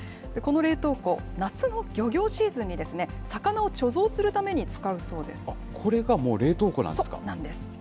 この冷凍庫、夏の漁業シーズンに魚を貯蔵するために使うそうです。